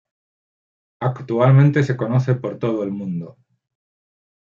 Actualmente se conoce por todo el mundo.